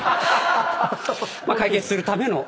解決するための。